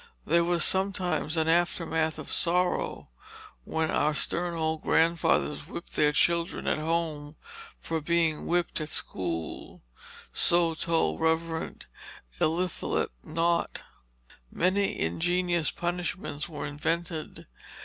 There was sometimes an aftermath of sorrow, when our stern old grandfathers whipped their children at home for being whipped at school, so told Rev. Eliphalet Nott. [Illustration: Whispering Sticks] Many ingenious punishments were invented.